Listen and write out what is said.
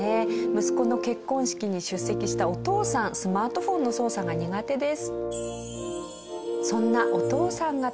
息子の結婚式に出席したお父さんスマートフォンの操作が苦手です。